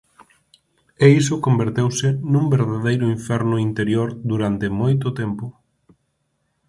E iso converteuse nun verdadeiro inferno interior durante moito tempo.